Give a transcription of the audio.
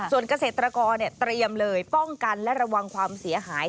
ส่วนเกษตรกรเตรียมเลยป้องกันและระวังความเสียหาย